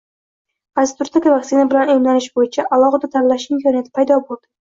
Qaysi turdagi vaksina bilan emlanish boʻyicha aholida tanlash imkoniyati paydo boʻldi.